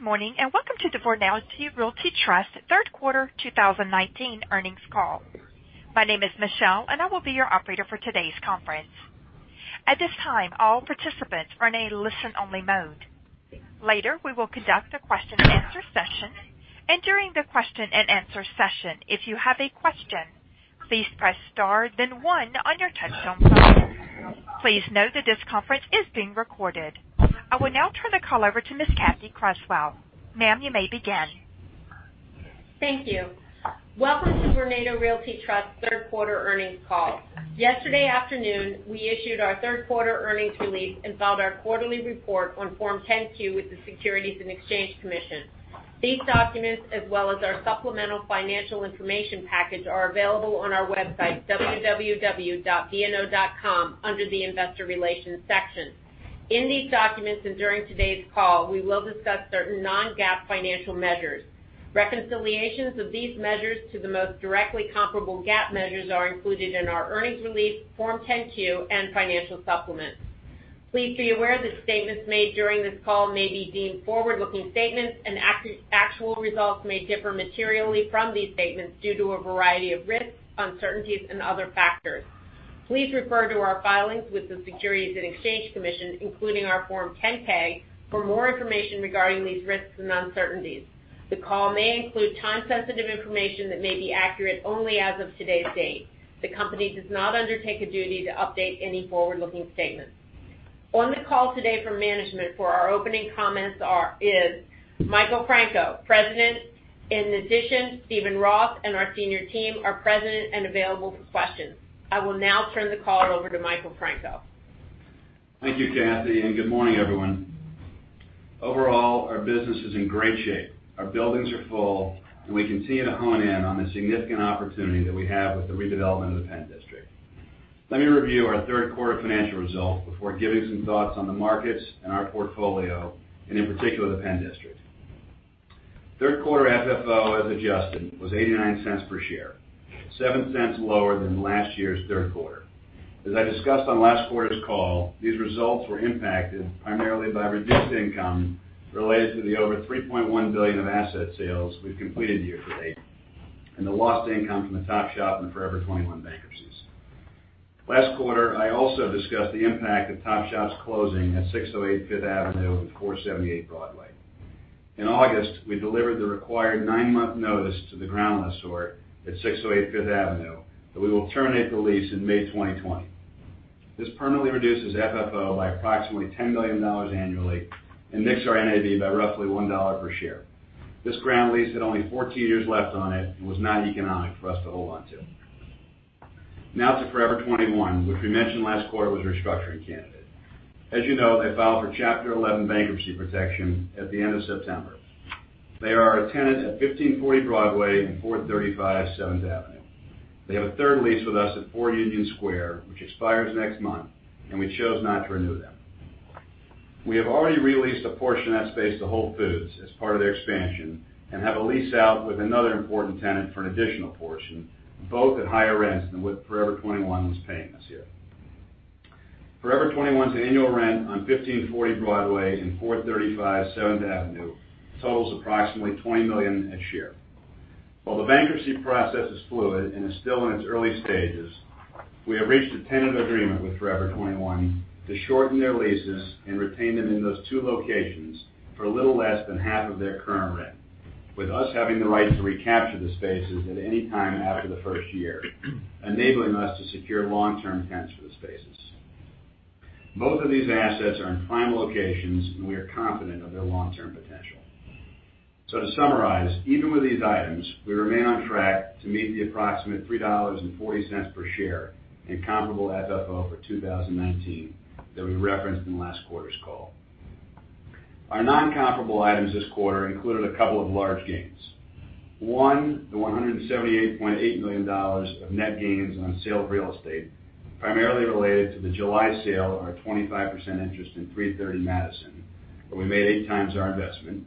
Good morning, and welcome to the Vornado Realty Trust third quarter 2019 earnings call. My name is Michelle, and I will be your operator for today's conference. At this time, all participants are in a listen-only mode. Later, we will conduct a question and answer session. During the question and answer session, if you have a question, please press star then one on your touchtone phone. Please note that this conference is being recorded. I will now turn the call over to Ms. Catherine Creswell. Ma'am, you may begin. Thank you. Welcome to Vornado Realty Trust third quarter earnings call. Yesterday afternoon, we issued our third quarter earnings release and filed our quarterly report on Form 10-Q with the Securities and Exchange Commission. These documents, as well as our supplemental financial information package, are available on our website, www.vno.com, under the investor relations section. In these documents and during today's call, we will discuss certain non-GAAP financial measures. Reconciliations of these measures to the most directly comparable GAAP measures are included in our earnings release, Form 10-Q, and financial supplements. Please be aware that statements made during this call may be deemed forward-looking statements, and actual results may differ materially from these statements due to a variety of risks, uncertainties, and other factors. Please refer to our filings with the Securities and Exchange Commission, including our Form 10-K, for more information regarding these risks and uncertainties. The call may include time-sensitive information that may be accurate only as of today's date. The company does not undertake a duty to update any forward-looking statements. On the call today from management for our opening comments is Michael Franco, President. In addition, Steven Roth and our senior team are present and available for questions. I will now turn the call over to Michael Franco. Thank you, Cathy. Good morning, everyone. Overall, our business is in great shape. Our buildings are full, and we continue to hone in on the significant opportunity that we have with the redevelopment of the Penn District. Let me review our third quarter financial results before giving some thoughts on the markets and our portfolio, and in particular, the Penn District. Third quarter FFO, as adjusted, was $0.89 per share, $0.07 lower than last year's third quarter. As I discussed on last quarter's call, these results were impacted primarily by reduced income related to the over $3.1 billion of asset sales we've completed year-to-date, and the lost income from the Topshop and Forever 21 bankruptcies. Last quarter, I also discussed the impact of Topshop's closing at 608 Fifth Avenue and 478 Broadway. In August, we delivered the required nine-month notice to the ground lessor at 608 Fifth Avenue that we will terminate the lease in May 2020. This permanently reduces FFO by approximately $10 million annually and [NICS] or NAV by roughly $1 per share. This ground lease had only 14 years left on it and was not economic for us to hold on to. To Forever 21, which we mentioned last quarter was a restructuring candidate. As you know, they filed for Chapter 11 bankruptcy protection at the end of September. They are a tenant at 1540 Broadway and 435 Seventh Avenue. They have a third lease with us at 4 Union Square, which expires next month, and we chose not to renew them. We have already re-leased a portion of that space to Whole Foods as part of their expansion and have a lease out with another important tenant for an additional portion, both at higher rents than what Forever 21 was paying us here. Forever 21's annual rent on 1540 Broadway and 435 Seventh Avenue totals approximately $20 million a year. While the bankruptcy process is fluid and is still in its early stages, we have reached a tentative agreement with Forever 21 to shorten their leases and retain them in those two locations for a little less than half of their current rent, with us having the right to recapture the spaces at any time after the first year, enabling us to secure long-term tenants for the spaces. Both of these assets are in prime locations, and we are confident of their long-term potential. To summarize, even with these items, we remain on track to meet the approximate $3.40 per share in comparable FFO for 2019 that we referenced in last quarter's call. Our non-comparable items this quarter included a couple of large gains. One, the $178.8 million of net gains on sale of real estate, primarily related to the July sale of our 25% interest in 330 Madison, where we made eight times our investment.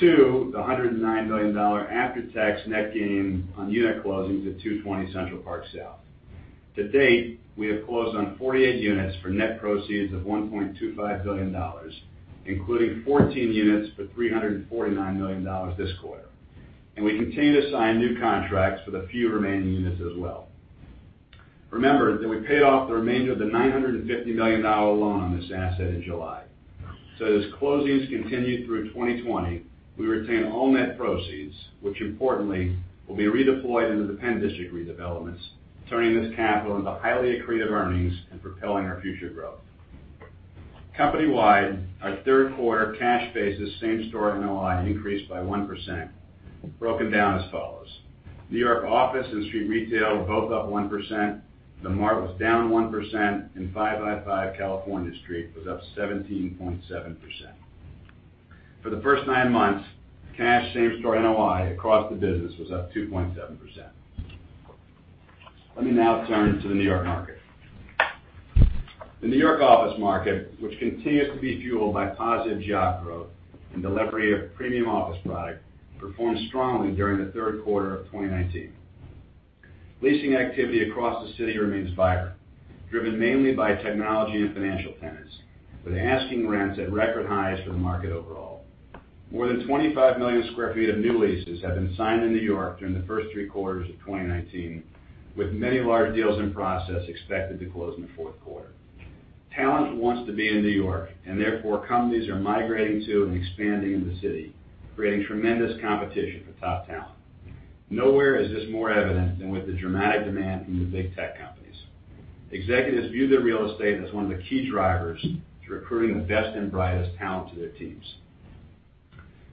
Two, the $109 million after-tax net gain on unit closings at 220 Central Park South. To date, we have closed on 48 units for net proceeds of $1.25 billion, including 14 units for $349 million this quarter. We continue to sign new contracts for the few remaining units as well. Remember that we paid off the remainder of the $950 million loan on this asset in July. As closings continue through 2020, we retain all net proceeds, which importantly will be redeployed into the Penn District redevelopments, turning this capital into highly accretive earnings and propelling our future growth. Company-wide, our third quarter cash basis same-store NOI increased by 1%, broken down as follows: New York Office and Street Retail were both up 1%, The Mart was down 1%, and 555 California Street was up 17.7%. For the first nine months, cash same-store NOI across the business was up 2.7%. Let me now turn to the New York market. The New York office market, which continues to be fueled by positive job growth and delivery of premium office product, performed strongly during the third quarter of 2019. Leasing activity across the city remains vibrant, driven mainly by technology and financial tenants, with asking rents at record highs for the market overall. More than 25 million square feet of new leases have been signed in New York during the first three quarters of 2019, with many large deals in process expected to close in the fourth quarter. Talent wants to be in New York, and therefore, companies are migrating to and expanding in the city, creating tremendous competition for top talent. Nowhere is this more evident than with the dramatic demand from the big tech companies. Executives view their real estate as one of the key drivers to recruiting the best and brightest talent to their teams.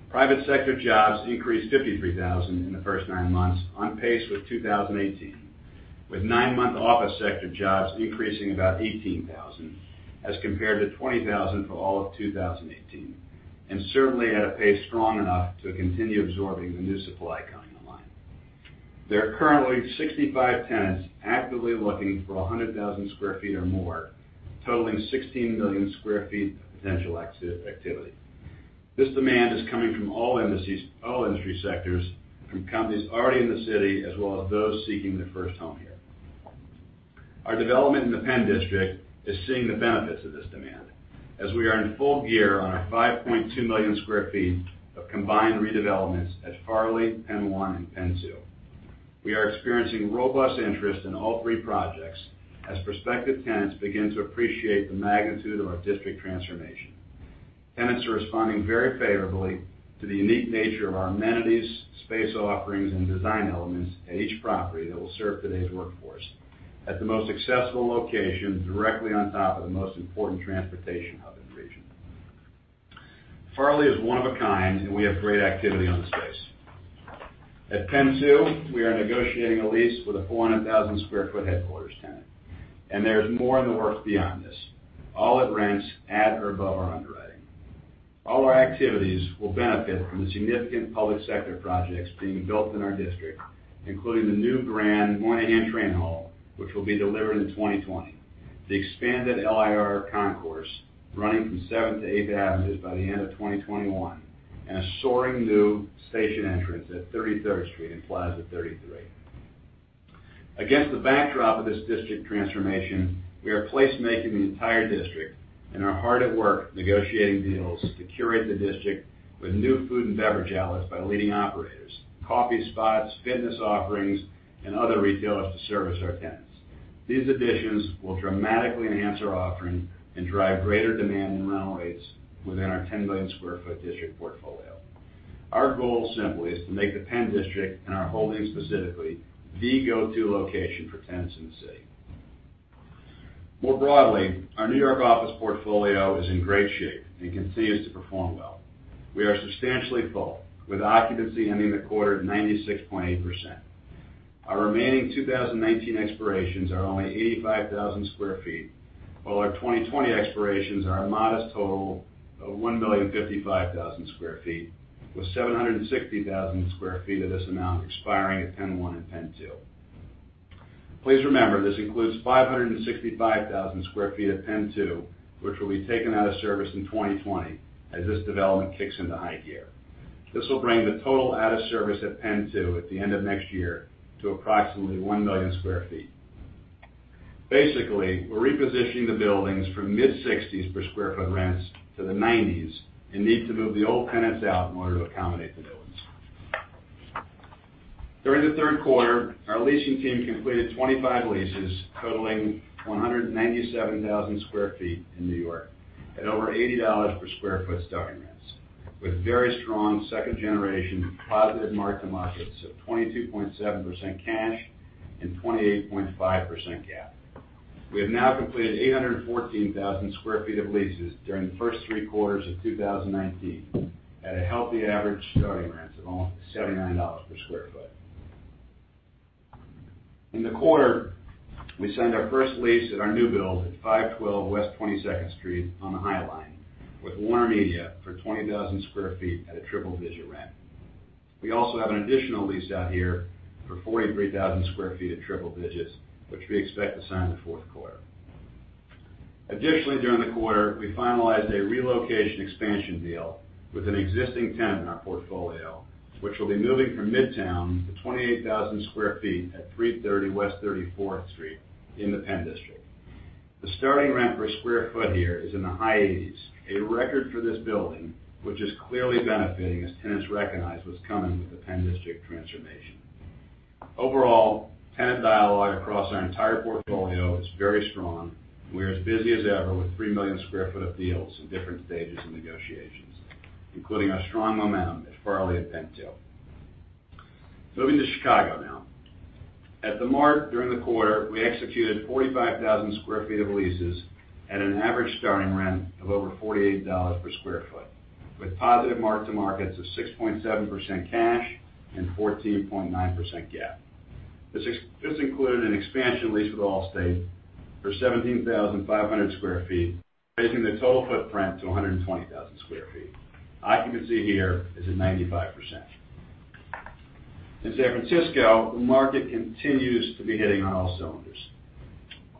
Private sector jobs increased 53,000 in the first nine months, on pace with 2018, with nine-month office sector jobs increasing about 18,000 as compared to 20,000 for all of 2018, and certainly at a pace strong enough to continue absorbing the new supply coming online. There are currently 65 tenants actively looking for 100,000 sq ft or more, totaling 16 million sq ft of potential activity. This demand is coming from all industry sectors, from companies already in the city, as well as those seeking their first home here. Our development in the Penn District is seeing the benefits of this demand as we are in full gear on our 5.2 million sq ft of combined redevelopments at Farley, Penn One, and Penn Two. We are experiencing robust interest in all three projects as prospective tenants begin to appreciate the magnitude of our district transformation. Tenants are responding very favorably to the unique nature of our amenities, space offerings, and design elements at each property that will serve today's workforce at the most accessible location directly on top of the most important transportation hub in the region. Farley is one of a kind, and we have great activity on the space. At Penn 2, we are negotiating a lease with a 400,000 sq ft headquarters tenant, and there's more in the works beyond this, all at rents at or above our underwriting. All our activities will benefit from the significant public sector projects being built in our district, including the new Moynihan Train Hall, which will be delivered in 2020, the expanded LIRR Concourse running from seventh to eighth Avenues by the end of 2021, and a soaring new station entrance at 33rd Street and Plaza 33. Against the backdrop of this district transformation, we are placemaking the entire district and are hard at work negotiating deals to curate the district with new food and beverage outlets by leading operators, coffee spots, fitness offerings, and other retailers to service our tenants. These additions will dramatically enhance our offering and drive greater demand in rental rates within our 10 million sq ft district portfolio. Our goal simply is to make the Penn District, and our holdings specifically, the go-to location for tenants in the city. More broadly, our New York office portfolio is in great shape and continues to perform well. We are substantially full, with occupancy ending the quarter at 96.8%. Our remaining 2019 expirations are only 85,000 sq ft, while our 2020 expirations are a modest total of 1,055,000 sq ft, with 760,000 sq ft of this amount expiring at Penn One and Penn Two. Please remember, this includes 565,000 sq ft at Penn Two, which will be taken out of service in 2020 as this development kicks into high gear. This will bring the total out of service at Penn Two at the end of next year to approximately 1 million square feet. Basically, we're repositioning the buildings from mid-60s per square foot rents to the 90s and need to move the old tenants out in order to accommodate the builds. During the third quarter, our leasing team completed 25 leases totaling 197,000 square feet in New York at over $80 per square foot starting rents, with very strong second generation positive mark-to-markets of 22.7% cash and 28.5% GAAP. We have now completed 814,000 square feet of leases during the first three quarters of 2019 at a healthy average starting rents of almost $79 per square foot. In the quarter, we signed our first lease at our new build at 512 West 22nd Street on the High Line with WarnerMedia for 20,000 square feet at a triple digit rent. We also have an additional lease out here for 43,000 sq ft at triple digits, which we expect to sign in the fourth quarter. Additionally, during the quarter, we finalized a relocation expansion deal with an existing tenant in our portfolio, which will be moving from Midtown, to 28,000 sq ft at 330 West 34th Street in the Penn District. The starting rent per square foot here is in the high 80s, a record for this building, which is clearly benefiting as tenants recognize what's coming with the Penn District transformation. Overall, tenant dialogue across our entire portfolio is very strong, and we are as busy as ever with 3 million sq ft of deals in different stages of negotiations, including our strong momentum at Farley and Penn Two. Moving to Chicago now. At the Mart, during the quarter, we executed 45,000 square feet of leases at an average starting rent of over $48 per square foot, with positive mark-to-markets of 6.7% cash and 14.9% GAAP. This included an expansion lease with Allstate for 17,500 square feet, taking the total footprint to 120,000 square feet. Occupancy here is at 95%. In San Francisco, the market continues to be hitting on all cylinders.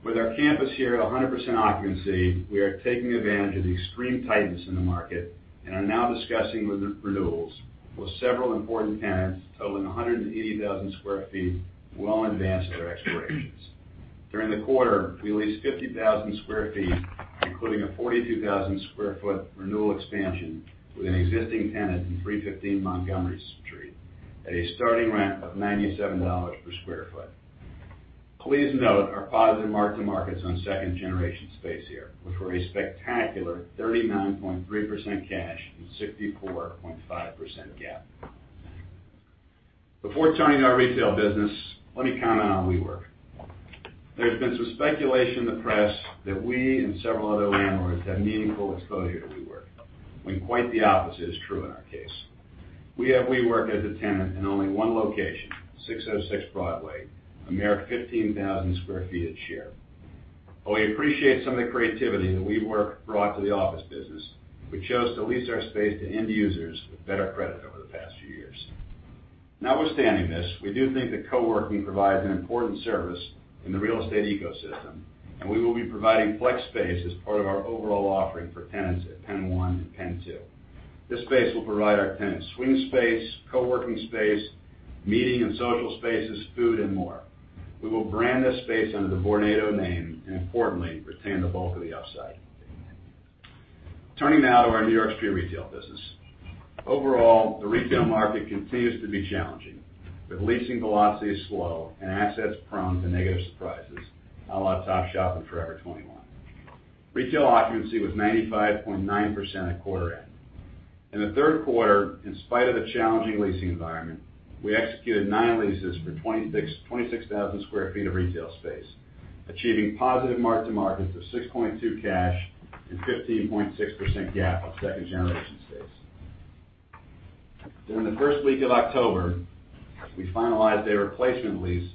With our campus here at 100% occupancy, we are taking advantage of the extreme tightness in the market and are now discussing renewals with several important tenants totaling 180,000 square feet well in advance of their expirations. During the quarter, we leased 50,000 square feet, including a 42,000 square foot renewal expansion with an existing tenant in 315 Montgomery Street at a starting rent of $97 per square foot. Please note our positive mark-to-markets on second generation space here, which were a spectacular 39.3% cash and 64.5% GAAP. Before turning to our retail business, let me comment on WeWork. There's been some speculation in the press that we and several other landlords have meaningful exposure to WeWork, when quite the opposite is true in our case. We have WeWork as a tenant in only one location, 606 Broadway, a mere 15,000 square feet at Share. While we appreciate some of the creativity that WeWork brought to the office business, we chose to lease our space to end users with better credit over the past few years. Notwithstanding this, we do think that coworking provides an important service in the real estate ecosystem, and we will be providing flex space as part of our overall offering for tenants at Penn One and Penn Two. This space will provide our tenants swing space, coworking space, meeting and social spaces, food, and more. We will brand this space under the Vornado name and importantly, retain the bulk of the upside. Turning now to our New York street retail business. Overall, the retail market continues to be challenging, with leasing velocity slow and assets prone to negative surprises, a la Topshop and Forever 21. Retail occupancy was 95.9% at quarter end. In the third quarter, in spite of the challenging leasing environment, we executed nine leases for 26,000 square feet of retail space, achieving positive mark-to-markets of 6.2% cash and 15.6% GAAP on second generation space. During the first week of October, we finalized a replacement lease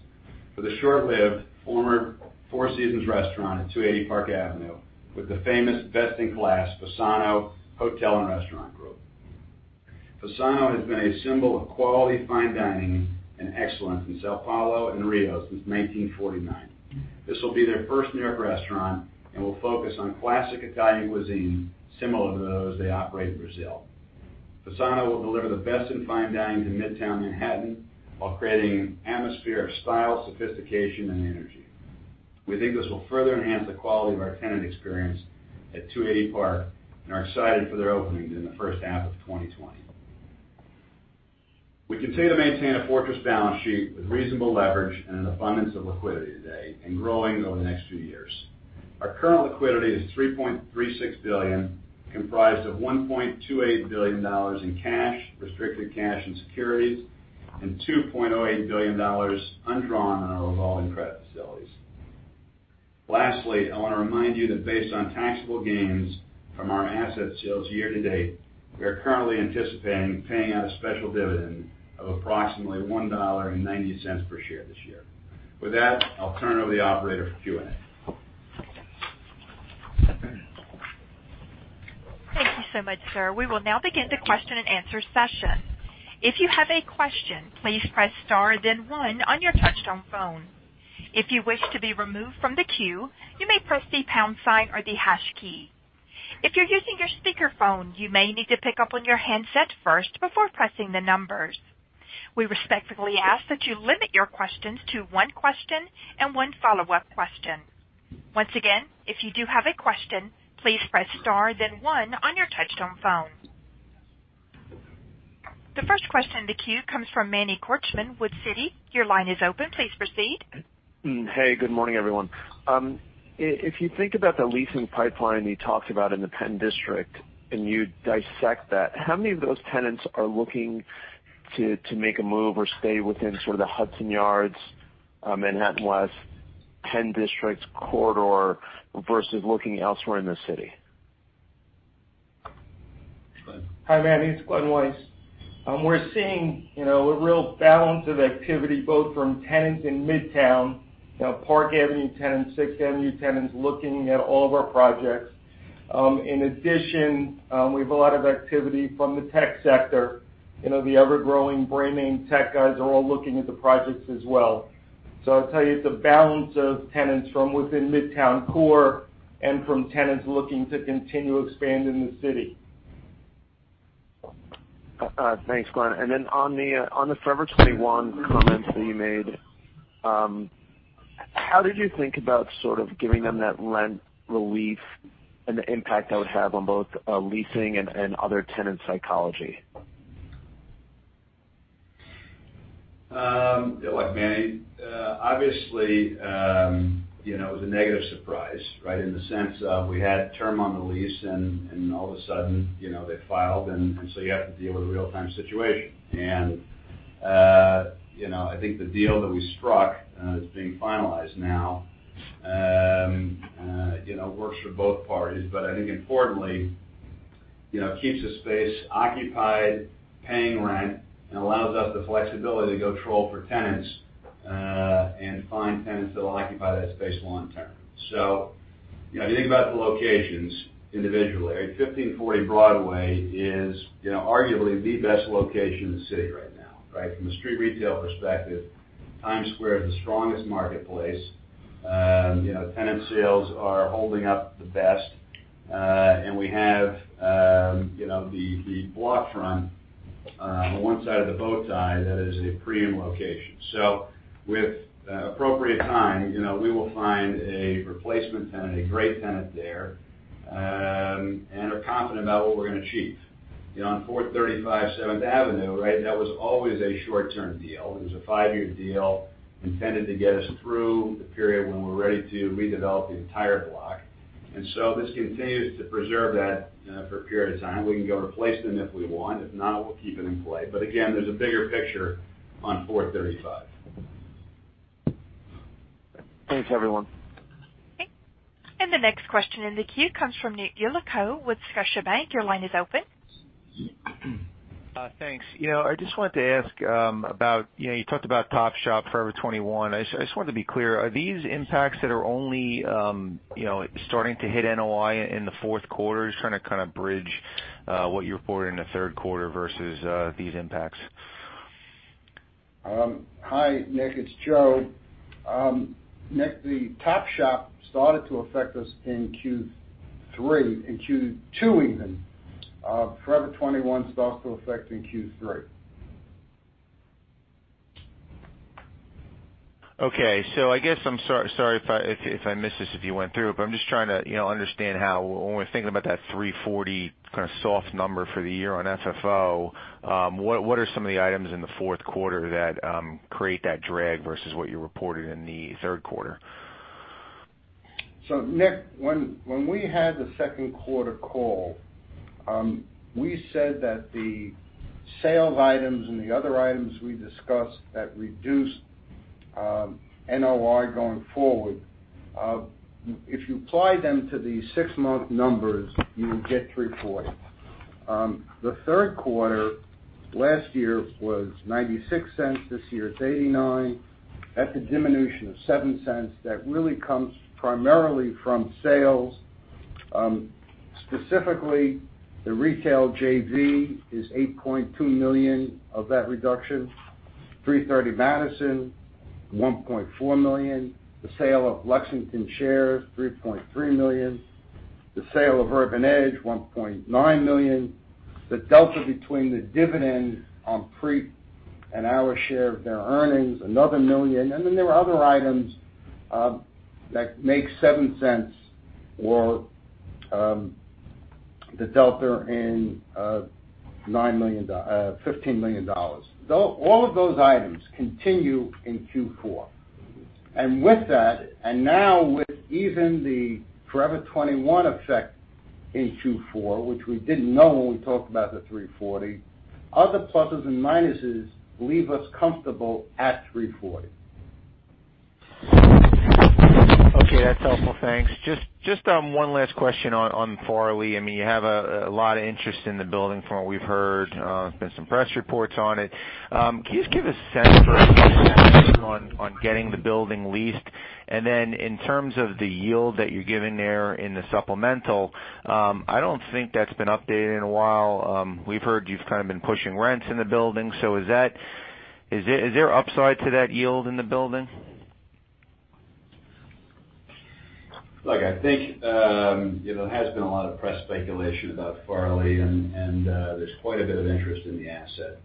for the short-lived former Four Seasons restaurant at 280 Park Avenue with the famous best-in-class Fasano Hotel and Restaurant Group. Fasano has been a symbol of quality fine dining and excellence in São Paulo and Rio since 1949. This will be their first New York restaurant and will focus on classic Italian cuisine similar to those they operate in Brazil. Fasano will deliver the best in fine dining to midtown Manhattan while creating an atmosphere of style, sophistication, and energy. We think this will further enhance the quality of our tenant experience at 280 Park and are excited for their opening in the first half of 2020. We continue to maintain a fortress balance sheet with reasonable leverage and an abundance of liquidity today and growing over the next few years. Our current liquidity is $3.36 billion, comprised of $1.28 billion in cash, restricted cash and securities, and $2.08 billion undrawn on our revolving credit facilities. Lastly, I want to remind you that based on taxable gains from our asset sales year to date, we are currently anticipating paying out a special dividend of approximately $1.90 per share this year. With that, I'll turn over the operator for Q&A. Thank you so much, sir. We will now begin the question-and-answer session. If you have a question, please press star then one on your touch-tone phone. If you wish to be removed from the queue, you may press the pound sign or the hash key. If you're using your speakerphone, you may need to pick up on your handset first before pressing the numbers. We respectfully ask that you limit your questions to one question and one follow-up question. Once again, if you do have a question, please press star then one on your touch-tone phone. The first question in the queue comes from Manny Korchman with Citi. Your line is open. Please proceed. Hey, good morning, everyone. If you think about the leasing pipeline you talked about in the Penn District and you dissect that, how many of those tenants are looking to make a move or stay within sort of the Hudson Yards, Manhattan West, Penn District corridor versus looking elsewhere in the city? Glen. Hi, Manny. It's Glen Weiss. We're seeing a real balance of activity both from tenants in Midtown, Park Avenue tenants, Sixth Avenue tenants looking at all of our projects. In addition, we have a lot of activity from the tech sector. The ever-growing brand name tech guys are all looking at the projects as well. I'll tell you, it's a balance of tenants from within Midtown core and from tenants looking to continue expanding the city. Thanks, Glen. On the Forever 21 comments that you made, how did you think about sort of giving them that rent relief and the impact that would have on both leasing and other tenant psychology? Look, Manny, obviously, it was a negative surprise, right? In the sense of we had term on the lease, and all of a sudden, they filed, and so you have to deal with a real-time situation. I think the deal that we struck, and is being finalized now, works for both parties. I think importantly, it keeps the space occupied, paying rent, and allows us the flexibility to go troll for tenants, and find tenants that will occupy that space long term. If you think about the locations individually, 1540 Broadway is arguably the best location in the city right now. From a street retail perspective, Times Square is the strongest marketplace. Tenant sales are holding up the best. We have the block front on one side of the bow tie that is a premium location. With appropriate time, we will find a replacement tenant, a great tenant there, and are confident about what we're going to achieve. On 435 7th Avenue, that was always a short-term deal. It was a five-year deal intended to get us through the period when we're ready to redevelop the entire block. This continues to preserve that for a period of time. We can go replace them if we want. If not, we'll keep it in play. Again, there's a bigger picture on 435. Thanks, everyone. The next question in the queue comes from Nicholas Yulico with Scotiabank. Your line is open. Thanks. I just wanted to ask, you talked about Topshop, Forever 21. I just wanted to be clear, are these impacts that are only starting to hit NOI in the fourth quarter? Just trying to kind of bridge what you reported in the third quarter versus these impacts. Hi, Nick. It's Joe. Nick, the Topshop started to affect us in Q3, in Q2 even. Forever 21 starts to affect in Q3. I guess, I'm sorry if I missed this, if you went through it, but I'm just trying to understand how when we're thinking about that 340 kind of soft number for the year on FFO, what are some of the items in the fourth quarter that create that drag versus what you reported in the third quarter? Nick, when we had the second quarter call, we said that the sales items and the other items we discussed that reduced NOI going forward, if you apply them to these six-month numbers, you get $340. The third quarter last year was $0.96. This year it's $0.89. That's a diminution of $0.07 that really comes primarily from sales. Specifically, the retail JV is $8.2 million of that reduction. 330 Madison, $1.4 million. The sale of Lexington shares, $3.3 million. The sale of Urban Edge, $1.9 million. The delta between the dividend on PREIT and our share of their earnings, another $1 million. Then there were other items that make $0.07 or the delta in $15 million. All of those items continue in Q4. With that, and now with even the Forever 21 effect in Q4, which we didn't know when we talked about the 340, other pluses and minuses leave us comfortable at 340. Okay. That's helpful. Thanks. Just one last question on Farley. You have a lot of interest in the building from what we've heard. There's been some press reports on it. Can you just give a sense for on getting the building leased? Then in terms of the yield that you're giving there in the supplemental, I don't think that's been updated in a while. We've heard you've kind of been pushing rents in the building. Is there upside to that yield in the building? Look, I think there has been a lot of press speculation about Farley, and there's quite a bit of interest in the asset.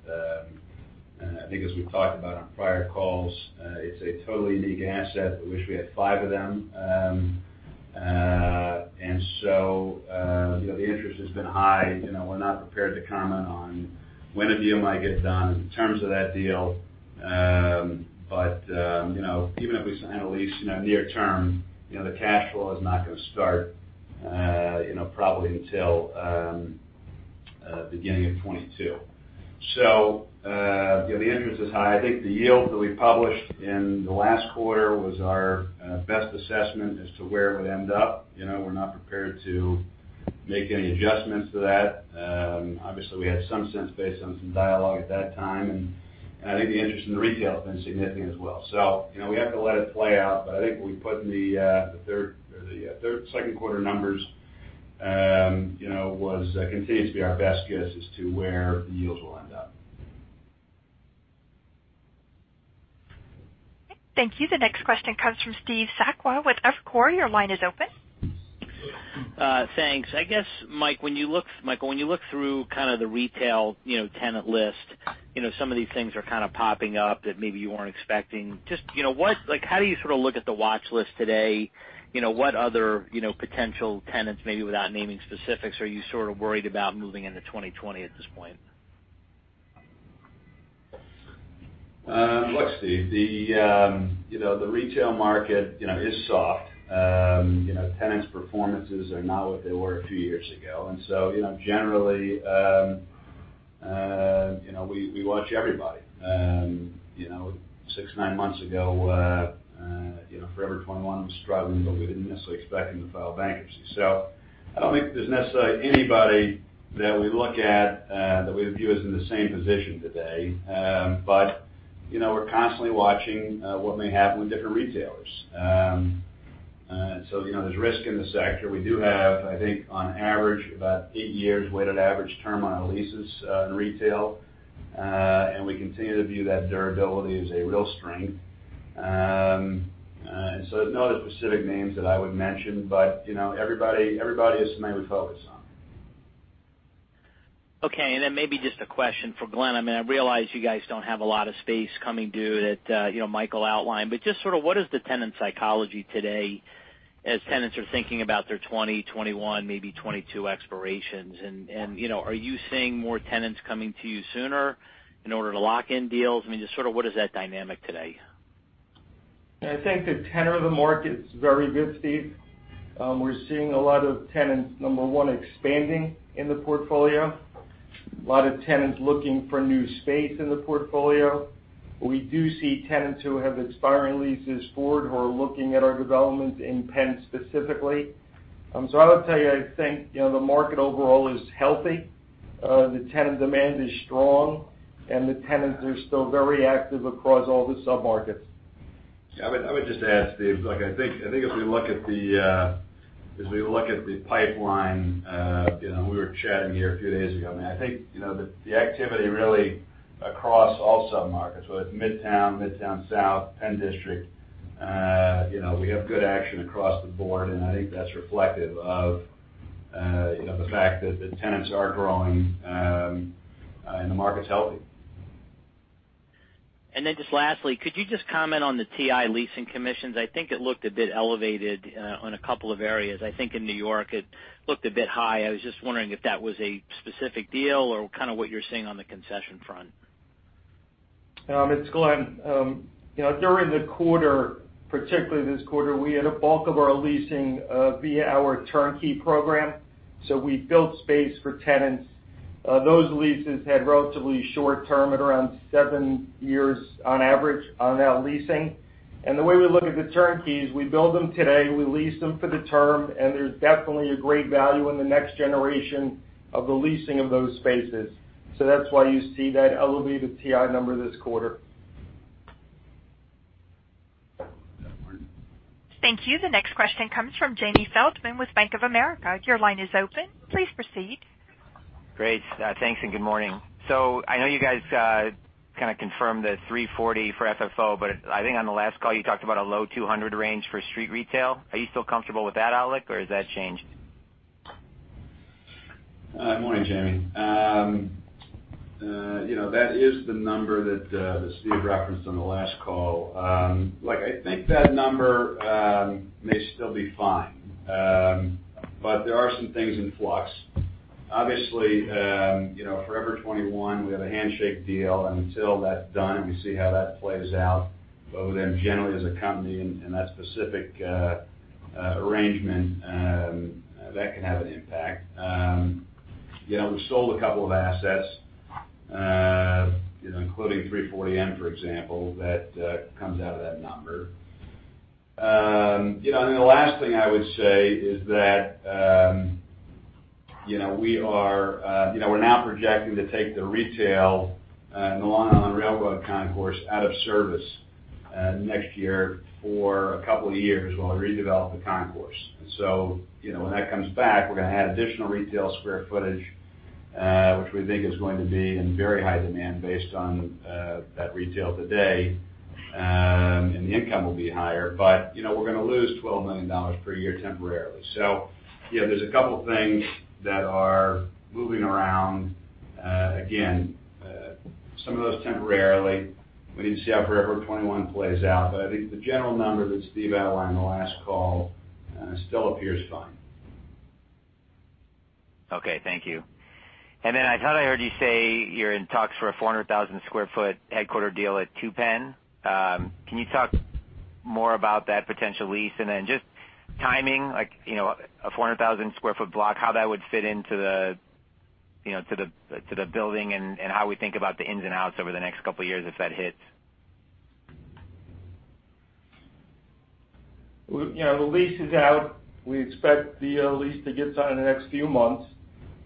I think as we've talked about on prior calls, it's a totally unique asset. We wish we had five of them. The interest has been high. We're not prepared to comment on when a deal might get done in terms of that deal. Even if we sign a lease near term, the cash flow is not going to start probably until beginning of 2022. The interest is high. I think the yield that we published in the last quarter was our best assessment as to where it would end up. We're not prepared to make any adjustments to that. Obviously, we had some sense based on some dialogue at that time, and I think the interest in retail has been significant as well. We have to let it play out, but I think what we put in the second quarter numbers continues to be our best guess as to where the yields will end up. Thank you. The next question comes from Steve Sakwa with Evercore ISI. Your line is open. Thanks. I guess, Michael, when you look through kind of the retail tenant list, some of these things are kind of popping up that maybe you weren't expecting. Just how do you sort of look at the watchlist today? What other potential tenants, maybe without naming specifics, are you sort of worried about moving into 2020 at this point? Look, Steve, the retail market is soft. Tenants' performances are not what they were a few years ago. Generally, we watch everybody. Six, nine months ago, Forever 21 was struggling, we didn't necessarily expect them to file bankruptcy. I don't think there's necessarily anybody that we look at that we view as in the same position today. We're constantly watching what may happen with different retailers. There's risk in the sector. We do have, I think on average, about eight years weighted average term on our leases in retail. We continue to view that durability as a real strength. There's no specific names that I would mention, everybody is mainly focused on. Okay, maybe just a question for Glen. I realize you guys don't have a lot of space coming due that Michael outlined, but just sort of what is the tenant psychology today as tenants are thinking about their 2020, 2021, maybe 2022 expirations. Are you seeing more tenants coming to you sooner in order to lock in deals? I mean, just sort of what is that dynamic today? I think the tenor of the market's very good, Steve. We're seeing a lot of tenants, number one, expanding in the portfolio. A lot of tenants looking for new space in the portfolio. We do see tenants who have expiring leases forward who are looking at our development in Penn specifically. I would tell you, I think, the market overall is healthy. The tenant demand is strong, and the tenants are still very active across all the sub-markets. I would just add, Steve, look, I think as we look at the pipeline, we were chatting here a few days ago. I think the activity really across all sub-markets, whether it's Midtown South, Penn District, we have good action across the board, and I think that's reflective of the fact that the tenants are growing, and the market's healthy. Just lastly, could you just comment on the TI leasing commissions? I think it looked a bit elevated on a couple of areas. I think in New York, it looked a bit high. I was just wondering if that was a specific deal or kind of what you're seeing on the concession front. It's Glen. During the quarter, particularly this quarter, we had a bulk of our leasing via our turnkey program. We built space for tenants. Those leases had relatively short-term at around seven years on average on that leasing. The way we look at the turnkeys, we build them today, we lease them for the term, and there's definitely a great value in the next generation of the leasing of those spaces. That's why you see that elevated TI number this quarter. Thank you. The next question comes from Jamie Feldman with Bank of America. Your line is open. Please proceed. Great. Thanks, and good morning. I know you guys kind of confirmed the 340 for FFO, but I think on the last call, you talked about a low 200 range for street retail. Are you still comfortable with that outlook, or has that changed? Morning, Jamie. That is the number that Steve referenced on the last call. Look, I think that number may still be fine. There are some things in flux. Obviously, Forever 21, we have a handshake deal, and until that's done and we see how that plays out, both of them generally as a company and that specific arrangement, that can have an impact. We sold a couple of assets, including 340M, for example, that comes out of that number. The last thing I would say is that we're now projecting to take the retail in the Long Island Railroad Concourse out of service next year for a couple of years while we redevelop the concourse. When that comes back, we're going to have additional retail square footage, which we think is going to be in very high demand based on that retail today. The income will be higher, but we're going to lose $12 million per year temporarily. Yeah, there's a couple of things that are moving around. Again, some of those temporarily. We need to see how Forever 21 plays out. I think the general number that Steve outlined on the last call still appears fine. I thought I heard you say you're in talks for a 400,000 square foot headquarter deal at Two Penn. Can you talk more about that potential lease? Just timing, like, a 400,000 square foot block, how that would fit into the building and how we think about the ins and outs over the next couple of years if that hits. The lease is out. We expect the lease to get signed in the next few months.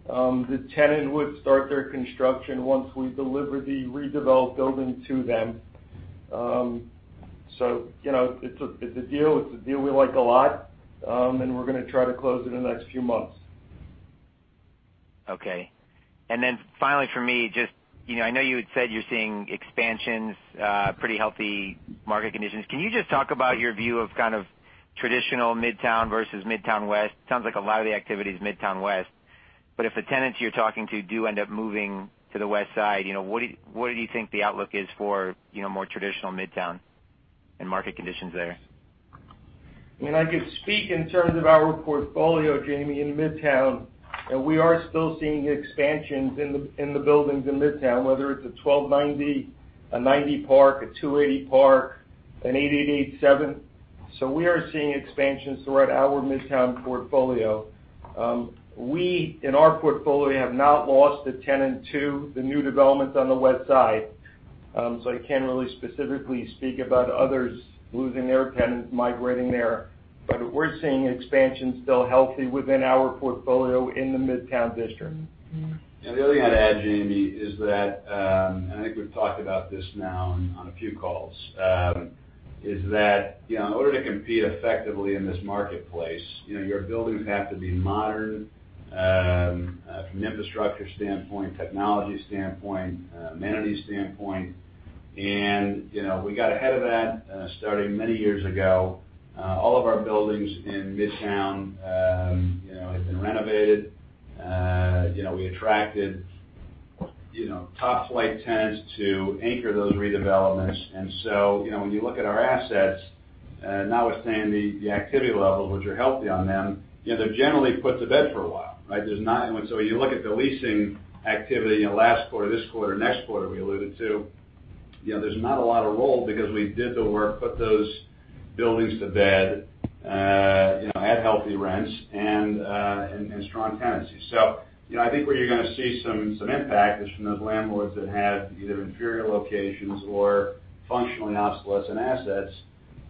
The tenant would start their construction once we deliver the redeveloped building to them. It's a deal we like a lot, and we're going to try to close it in the next few months. Okay. Finally for me, I know you had said you're seeing expansions, pretty healthy market conditions. Can you just talk about your view of kind of traditional Midtown versus Midtown West? It sounds like a lot of the activity is Midtown West. If the tenants you're talking to do end up moving to the West Side, what do you think the outlook is for more traditional Midtown and market conditions there? I could speak in terms of our portfolio, Jamie, in Midtown. We are still seeing expansions in the buildings in Midtown, whether it's a 1290, a 90 Park, a 280 Park, an 888 Seventh Avenue. We are seeing expansions throughout our Midtown portfolio. We, in our portfolio, have not lost a tenant to the new developments on the West Side. I can't really specifically speak about others losing their tenants migrating there. We're seeing expansion still healthy within our portfolio in the Midtown district. The other thing I'd add, Jamie, is that, and I think we've talked about this now on a few calls. Is that in order to compete effectively in this marketplace, your buildings have to be modern from infrastructure standpoint, technology standpoint, amenities standpoint. We got ahead of that starting many years ago. All of our buildings in Midtown have been renovated. We attracted top-flight tenants to anchor those redevelopments. When you look at our assets, notwithstanding the activity levels, which are healthy on them, they're generally put to bed for a while, right. When you look at the leasing activity last quarter, this quarter, next quarter we alluded to, there's not a lot of roll because we did the work, put those buildings to bed, at healthy rents, and strong tenancy. I think where you're going to see some impact is from those landlords that have either inferior locations or functionally obsolescent assets,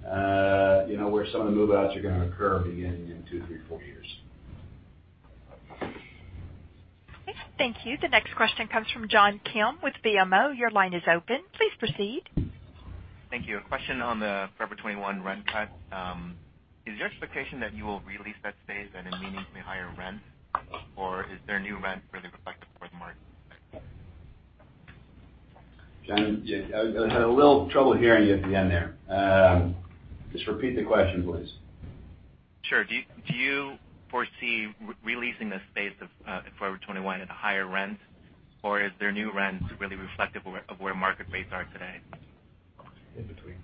where some of the move-outs are going to occur beginning in two, three, four years. Okay, thank you. The next question comes from John Kim with BMO. Your line is open. Please proceed. Thank you. A question on the Forever 21 rent cut. Is your expectation that you will re-lease that space at a meaningfully higher rent, or is their new rent really reflective for the market? John, I had a little trouble hearing you at the end there. Just repeat the question, please. Sure. Do you foresee re-leasing the space of Forever 21 at a higher rent, or is their new rent really reflective of where market rates are today? In between.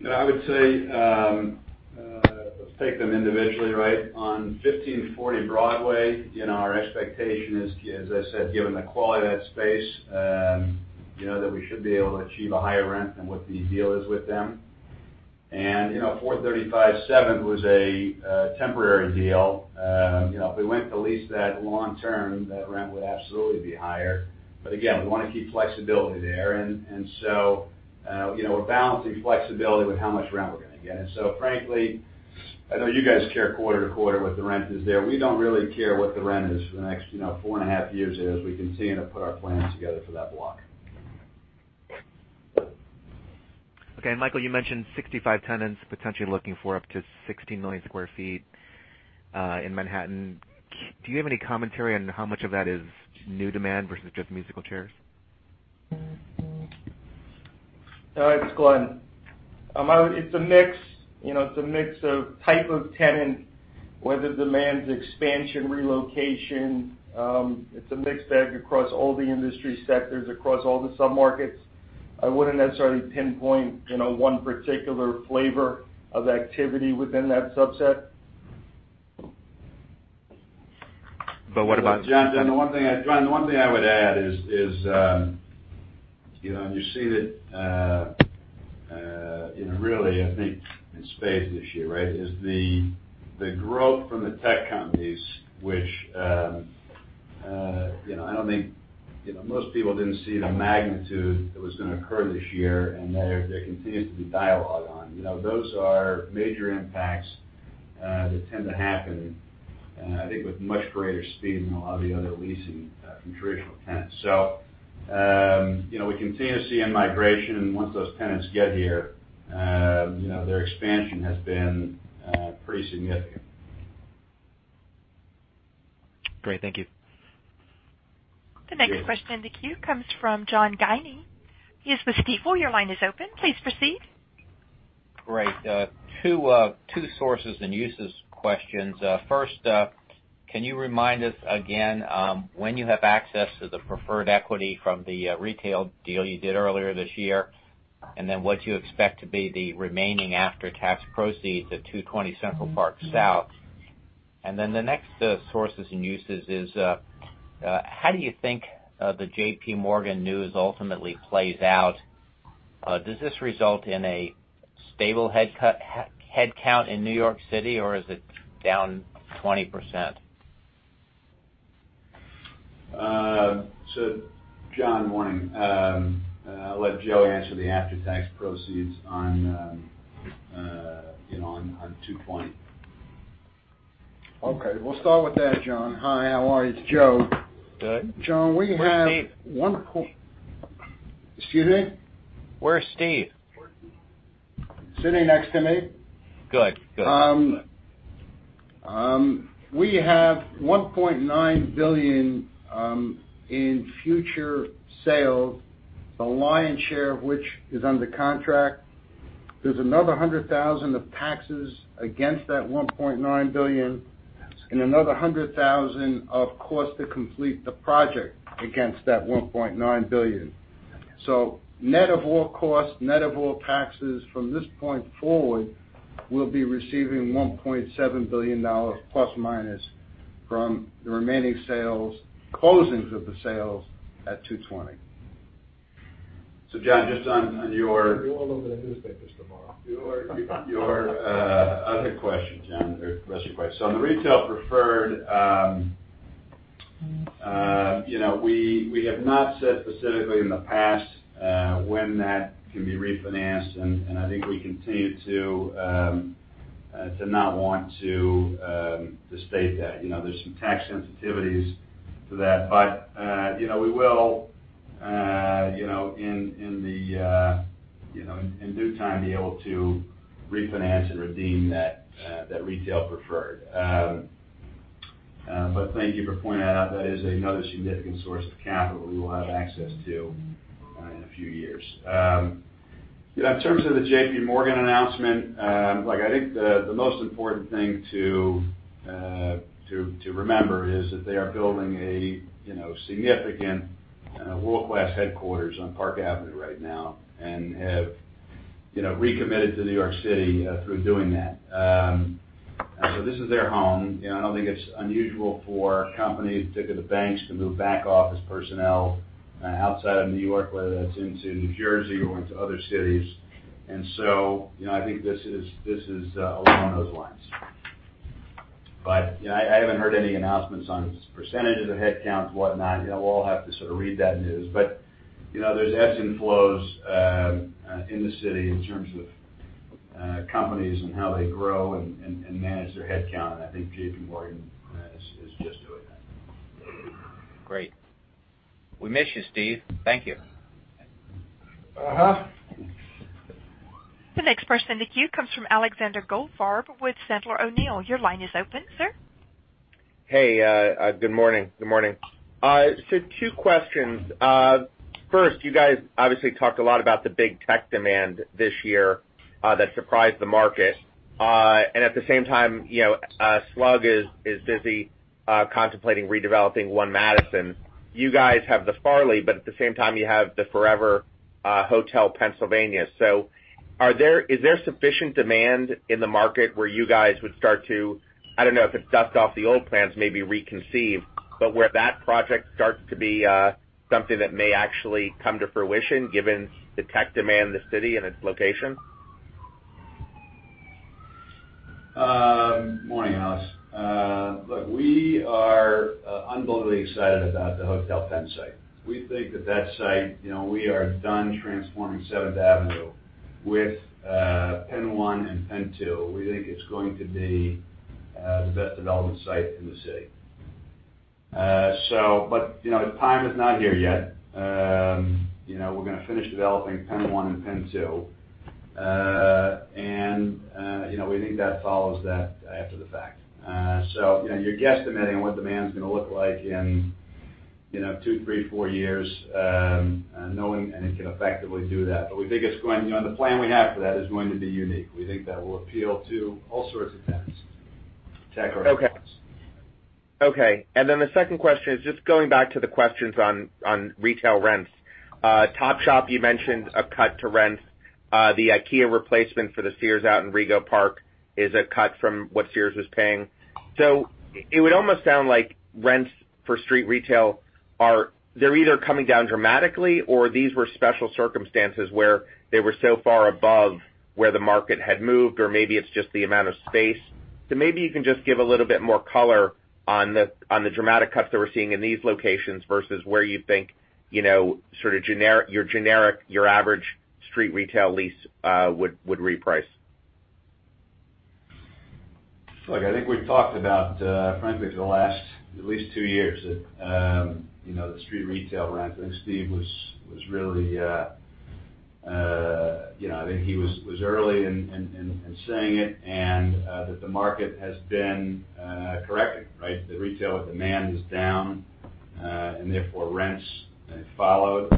Yeah, I would say, let's take them individually, right? On 1540 Broadway, our expectation is, as I said, given the quality of that space, that we should be able to achieve a higher rent than what the deal is with them. 435 Seventh was a temporary deal. If we went to lease that long term, that rent would absolutely be higher. Again, we want to keep flexibility there. We're balancing flexibility with how much rent we're going to get. Frankly, I know you guys care quarter to quarter what the rent is there. We don't really care what the rent is for the next four and a half years as we continue to put our plans together for that block. Okay. Michael, you mentioned 65 tenants potentially looking for up to 16 million square feet, in Manhattan. Do you have any commentary on how much of that is new demand versus just musical chairs? All right. It's Glen. It's a mix of type of tenant, whether demand's expansion, relocation. It's a mixed bag across all the industry sectors, across all the sub-markets. I wouldn't necessarily pinpoint one particular flavor of activity within that subset. But what about- John, the one thing I would add is, you see that really, I think in space this year, right, is the growth from the tech companies, which most people didn't see the magnitude that was going to occur this year. There continues to be dialogue on. Those are major impacts that tend to happen, I think, with much greater speed than a lot of the other leasing from traditional tenants. We continue to see in-migration once those tenants get here. Their expansion has been pretty significant. Great. Thank you. The next question in the queue comes from John Guinee. He is with Stifel. Your line is open. Please proceed. Great. Two sources and uses questions. First, can you remind us again, when you have access to the preferred equity from the retail deal you did earlier this year, and then what you expect to be the remaining after-tax proceeds of 220 Central Park South? The next sources and uses is, how do you think the JPMorgan news ultimately plays out? Does this result in a stable headcount in New York City, or is it down 20%? John, morning. I'll let Joe answer the after-tax proceeds on 220. Okay. We'll start with that, John. Hi, how are you? It's Joe. Good. John, we have- Where's Steve? Excuse me? Where's Steve? Sitting next to me. Good. We have $1.9 billion in future sales, the lion's share of which is under contract. There's another 100,000 of taxes against that $1.9 billion, and another 100,000, of course, to complete the project against that $1.9 billion. Net of all costs, net of all taxes from this point forward, we'll be receiving $1.7 billion, ±, from the remaining closings of the sales at 220. John, you'll all be in the newspapers tomorrow. Your other question, John, or the rest of your question. On the retail preferred, we have not said specifically in the past when that can be refinanced, and I think we continue to not want to state that. There's some tax sensitivities to that. We will, in due time, be able to refinance and redeem that retail preferred. Thank you for pointing that out. That is another significant source of capital we will have access to in a few years. In terms of the JPMorgan announcement, I think the most important thing to remember is that they are building a significant world-class headquarters on Park Avenue right now, and have recommitted to New York City through doing that. This is their home. I don't think it's unusual for companies, particularly banks, to move back office personnel outside of New York, whether that's into New Jersey or into other cities. I think this is along those lines. I haven't heard any announcements on percentages of headcounts, whatnot. We'll all have to sort of read that news. There's ebbs and flows in the city in terms of companies and how they grow and manage their headcount. I think JPMorgan is just doing that. Great. We miss you, Steve. Thank you. The next person in the queue comes from Alexander Goldfarb with Sandler O'Neill. Your line is open, sir. Good morning. Two questions. First, you guys obviously talked a lot about the big tech demand this year that surprised the market. At the same time, SL Green is busy contemplating redeveloping 1 Madison. You guys have The Farley, but at the same time, you have the former Hotel Pennsylvania. Is there sufficient demand in the market where you guys would start to, I don't know if it's dust off the old plans, maybe reconceive, but where that project starts to be something that may actually come to fruition given the tech demand in the city and its location? Morning, Alex. Look, we are unbelievably excited about the Hotel Penn site. We think that that site, we are done transforming Seventh Avenue with Penn One and Penn Two. We think it's going to be the best development site in the city. The time is not here yet. We're going to finish developing Penn One and Penn Two. We think that follows that after the fact. You're guesstimating what demand's going to look like in two, three, four years, no one can effectively do that. The plan we have for that is going to be unique. We think that will appeal to all sorts of tenants. Tech or otherwise. Okay. The second question is just going back to the questions on retail rents. Topshop, you mentioned a cut to rents. The IKEA replacement for the Sears out in Rego Park is a cut from what Sears was paying. It would almost sound like rents for street retail are either coming down dramatically, or these were special circumstances where they were so far above where the market had moved, or maybe it's just the amount of space. Maybe you can just give a little bit more color on the dramatic cuts that we're seeing in these locations versus where you think your average street retail lease would reprice. I think we've talked about, frankly, for the last at least two years that the street retail rent, I think Steve was early in saying it, that the market has been correcting, right? The retail demand is down, and therefore rents have followed.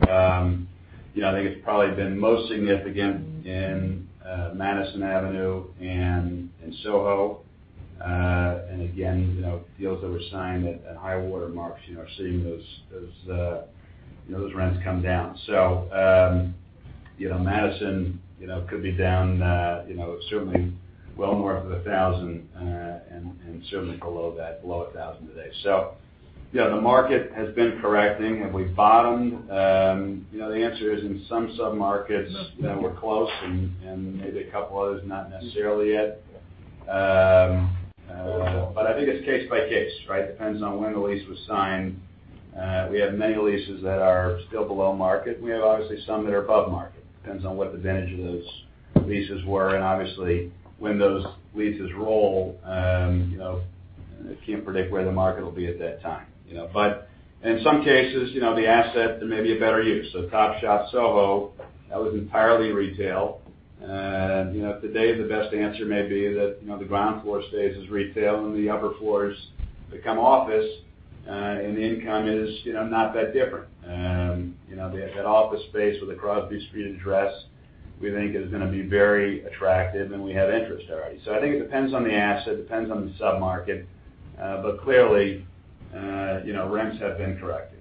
I think it's probably been most significant in Madison Avenue and in SoHo. Again, deals that were signed at high water marks are seeing those rents come down. Madison could be down certainly well more than $1,000, and certainly below $1,000 today. The market has been correcting. Have we bottomed? The answer is in some sub-markets, we're close, and maybe a couple of others, not necessarily yet. I think it's case by case, right? Depends on when the lease was signed. We have many leases that are still below market, and we have obviously some that are above market. Depends on what the vintage of those leases were, and obviously when those leases roll, can't predict where the market will be at that time. In some cases, the asset, there may be a better use. Topshop SoHo, that was entirely retail. If today the best answer may be that the ground floor stays as retail and the upper floors become office, and the income is not that different. That office space with a Crosby Street address, we think is going to be very attractive, and we have interest already. I think it depends on the asset, depends on the sub-market. Clearly, rents have been corrected.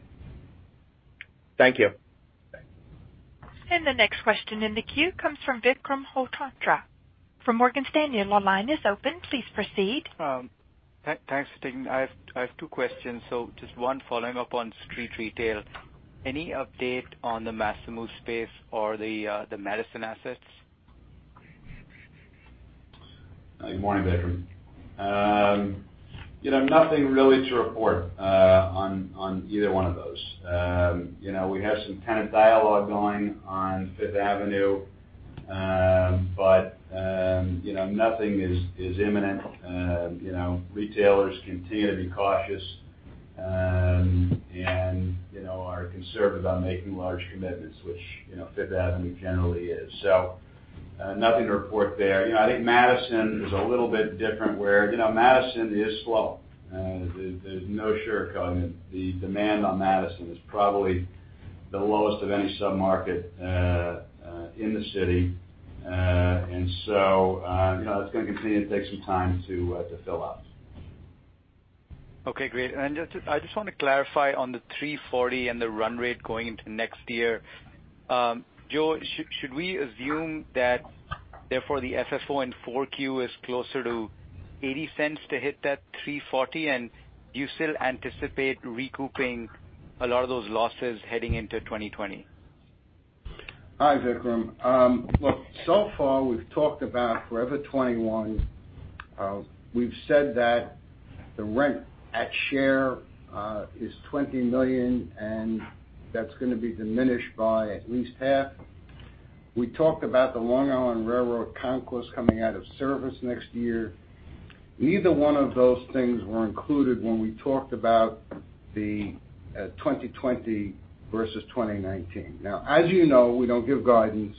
Thank you. Thank you. The next question in the queue comes from Vikram Malhotra from Morgan Stanley. Your line is open. Please proceed. Thanks for taking my call. I have two questions. Just one following up on street retail. Any update on the Massimo space or the Madison assets? Good morning, Vikram. Nothing really to report on either one of those. We have some tenant dialogue going on Fifth Avenue, but nothing is imminent. Retailers continue to be cautious and are conservative on making large commitments, which Fifth Avenue generally is. Nothing to report there. I think Madison is a little bit different, where Madison is slow. There's no sugarcoating it. The demand on Madison is probably the lowest of any sub-market in the city. It's going to continue to take some time to fill out. Okay, great. I just want to clarify on the $3.40 and the run rate going into next year. Joe, should we assume that therefore the FFO in four Q is closer to $0.80 to hit that $3.40, and do you still anticipate recouping a lot of those losses heading into 2020? Hi, Vikram. So far we've talked about Forever 21. We've said that the rent at share is $20 million, that's going to be diminished by at least half. We talked about the Long Island Railroad Concourse coming out of service next year. Neither one of those things were included when we talked about the 2020 versus 2019. As you know, we don't give guidance,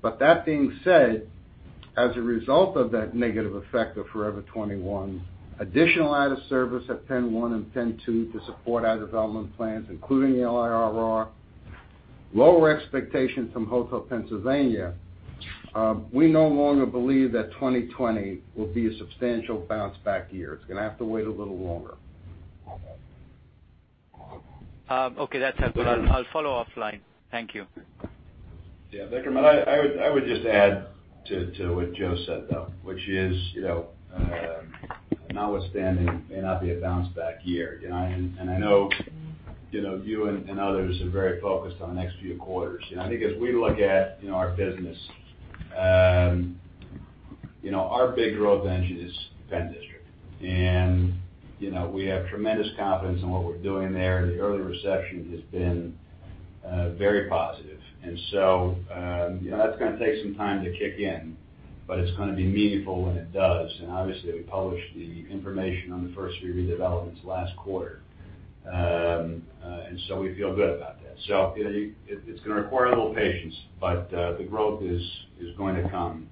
but that being said, as a result of that negative effect of Forever 21, additional out of service at Penn 1 and Penn 2 to support our development plans, including the LIRR, lower expectations from Hotel Pennsylvania. We no longer believe that 2020 will be a substantial bounce-back year. It's going to have to wait a little longer. Okay, that's helpful. I'll follow offline. Thank you. Yeah, Vikram, I would just add to what Joe said, though, which is notwithstanding, may not be a bounce back year. I know you and others are very focused on the next few quarters. I think as we look at our business, our big growth engine is Penn District, and we have tremendous confidence in what we're doing there. The early reception has been very positive. That's going to take some time to kick in, but it's going to be meaningful when it does. Obviously, we published the information on the first three redevelopments last quarter. We feel good about that. It's going to require a little patience, but the growth is going to come